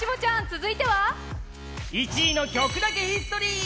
「１位の曲だけヒストリー」！